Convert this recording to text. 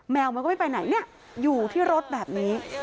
แมวมันก็ไม่ไปไหนอยู่ที่รถแบบนี้